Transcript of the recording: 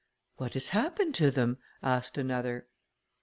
"What has happened to them?" asked another.